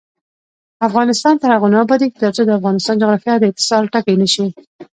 افغانستان تر هغو نه ابادیږي، ترڅو د افغانستان جغرافیه د اتصال ټکی نشي.